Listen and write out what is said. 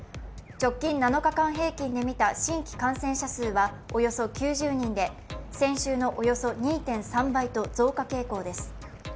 直近７日間平均で見た新規感染者数はおよそ９０人で先週のおよそ２．３倍と増加傾向です